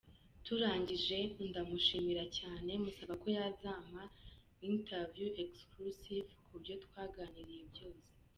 Turangije, ndamushimira cyane, musaba ko yazampa interview excusif ku byo twaganiye byose.